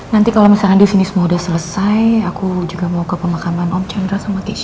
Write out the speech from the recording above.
nanti kalau misalnya di sini semua udah selesai aku juga mau ke pemakaman om chandra sama tisu